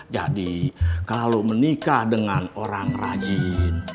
jadi kalau menikah dengan orang rajin